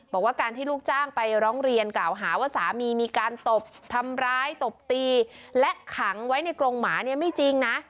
บอกว่าการที่ลูกจ้างไปร้องเรียนกล่าวหาว่าสามีมีการตบทำร้ายตบตีและขังไว้ในกรงหมาเนี่ยไม่จริงนะ